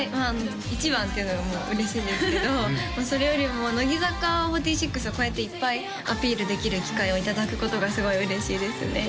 １番っていうのがもう嬉しいですけどそれよりも乃木坂４６をこうやっていっぱいアピールできる機会をいただくことがすごい嬉しいですね